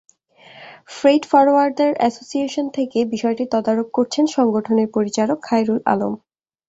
Freight forwarder association থেকে বিষয়টি তদারক করছেন সংগঠনের পরিচালক খায়রুল আলম।